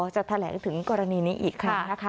จะแถลงถึงกรณีนี้อีกค่ะ